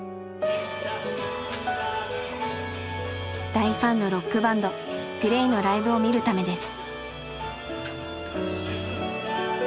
大ファンのロックバンドＧＬＡＹのライブを見るためです。